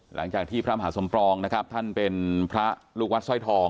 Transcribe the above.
หลังจากที่พระมหาสมปองนะครับท่านเป็นพระลูกวัดสร้อยทอง